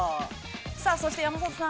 そして山里さん。